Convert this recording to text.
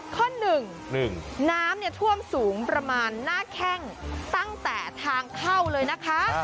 ข้อ๑น้ำท่วมสูงประมาณหน้าแข้งตั้งแต่ทางเข้าเลยนะคะ